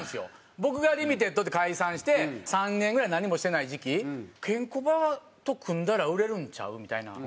僕がリミテッドって解散して３年ぐらい何もしてない時期ケンコバと組んだら売れるんちゃう？みたいな。